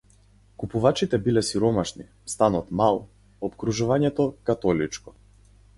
Купувачите биле сиромашни, станот - мал, опкружувањето - католичко.